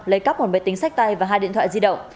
lấy cắp một máy tính sách tay và hai điện thoại di động